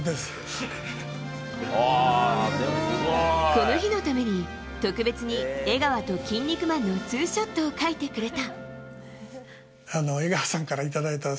この日のために特別に江川とキン肉マンのツーショットを描いてくれた！